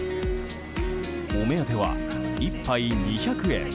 お目当ては１杯２００円